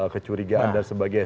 kecurigaan dan sebagainya